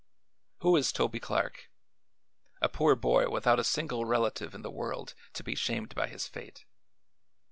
Who is Toby Clark? A poor boy without a single relative in the world to be shamed by his fate.